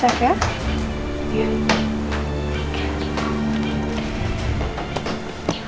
semoga ada yang nunggu